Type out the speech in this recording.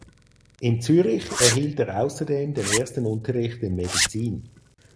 In Zürich erhielt er außerdem den ersten Unterricht in Medizin.